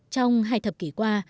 trong hai thập kỷ qua